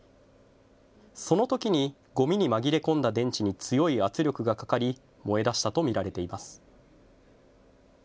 そのときにごみに紛れ込んだ電池に強い圧力がかかり燃えだしたと見られています。